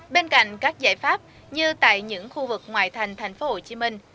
bên cạnh các giải pháp như tại những khu vực ngoại thành thành phố hồ chí minh